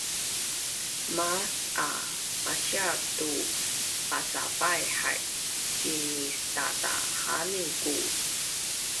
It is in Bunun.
Maaz a masial tu pasavai hai cinisdadananin ku